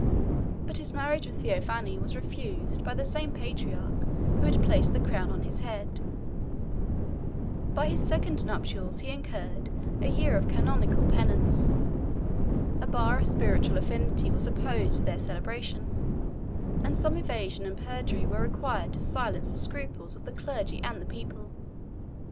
But his marriage with Theophano was refused by the same patriarch who had placed the crown on his head: by his second nuptials he incurred a year of canonical penance; 1014 a bar of spiritual affinity was opposed to their celebration; and some evasion and perjury were required to silence the scruples of the clergy and people.